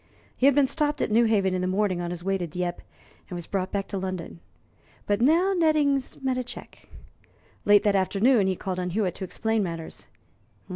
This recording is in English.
He had been stopped at Newhaven in the morning on his way to Dieppe, and was brought back to London. But now Nettings met a check. Late that afternoon he called on Hewitt to explain matters.